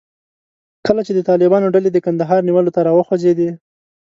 کله چې د طالبانو ډلې د کندهار نیولو ته راوخوځېدې.